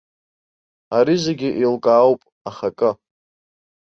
Ари зегьы еилкаауп, аха акы.